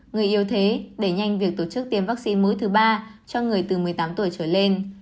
người yêu thế đẩy nhanh việc tổ chức tiêm vaccine mới thứ ba cho người từ một mươi tám tuổi trở lên